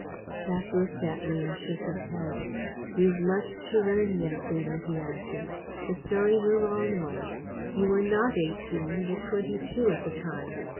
Jack looked at me and shook his head. "You've much to learn yet, Una," he answered. "The story's a long one. You were NOT eighteen but twenty two at the time.